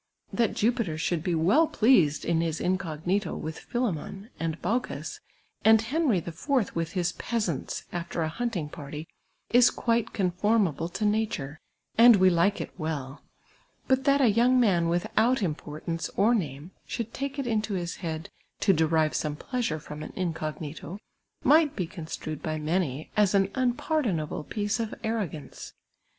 That Jupiter should be 2 D 2 372 TuuTir AXD poetry; from my own life. well pleased in his ineop^iito with Philomon and Baucis, and llenrv the Fourth with his peasants after a huntin*; party, is quite eonlbrnuible to nature, and we like it well ; but that a young man without inijKirtanec or name, should take it int(i his head to derive some pleasure from an incognito, might be construed by many as an iuii)ard()nable ])iece of arrogance.